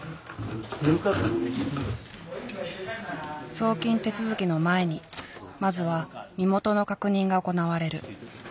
送金手続きの前にまずは身元の確認が行われる。